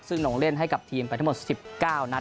ซึ่งลงเล่นให้กับทีมไปทั้งหมด๑๙นัด